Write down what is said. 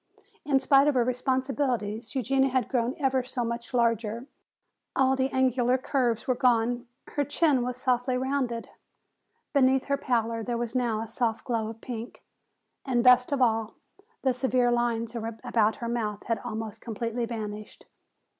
In spite of her responsibilities Eugenia had grown ever so much larger; all the angular curves were gone, her chin was softly rounded. Beneath her pallor there was now a soft glow of pink, and best of all, the severe lines about her mouth had almost completely vanished.